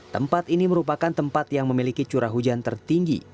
tempat ini merupakan tempat yang memiliki curah hujan tertinggi